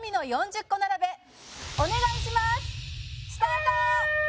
スタート！